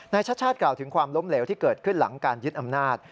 ชาติชาติกล่าวถึงความล้มเหลวที่เกิดขึ้นหลังการยึดอำนาจ